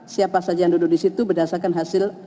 siapa saja yang duduk disitu berdasarkan hasil